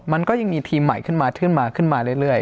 มันก็ยังมีทีมใหม่ขึ้นมาขึ้นมาขึ้นมาขึ้นมาเรื่อย